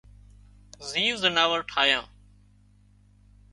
زيوَ زناور ٺاهيان